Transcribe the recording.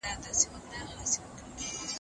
که چاپېریال سم نه وي نو هڅې بې ګټې وي.